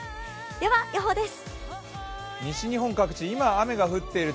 では予報です。